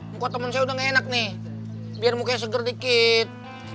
muka teman saya udah gak enak nih biar mukanya seger dikit